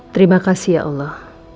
terima kasih ya allah